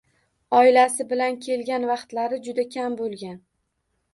Oilasi bilan kelgan vaqtlari juda kam bo‘lgan